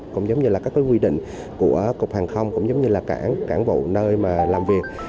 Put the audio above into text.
cũng giống như là các quy định của cục hàng không cũng giống như là cảng bộ nơi làm việc